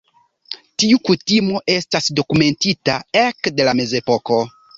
Tiu kutimo estas dokumentita ekde la Mezepoko.